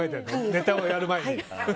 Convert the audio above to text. ネタをやる前に。